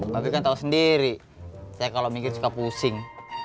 babi kan tau sendiri saya kalau mikir suka pusing